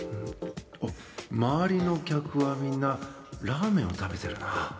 周りの客はみんなラーメンを食べてるな。